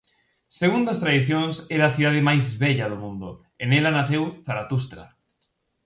Segundo as tradicións, era a cidade máis vella do mundo e nela naceu Zaratustra.